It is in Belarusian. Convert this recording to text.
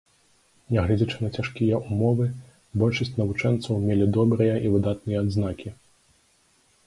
Нягледзячы на цяжкія ўмовы, большасць навучэнцаў мелі добрыя і выдатныя адзнакі.